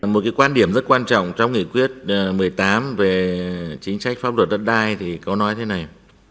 một quan điểm rất quan trọng trong nghị quyết một mươi tám về chính sách pháp luật đất đai thì có nói thế này